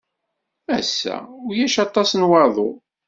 Ass-a, ulac aṭas n waḍu.